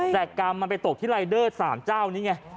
แต่กรรมมันไปตกที่รายเดอร์๓เจ้านี้ไง